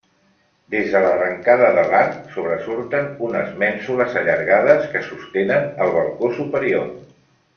Des de l'arrencada de l'arc sobresurten unes mènsules allargades que sostenen el balcó superior.